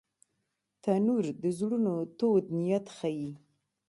تنور د زړونو تود نیت ښيي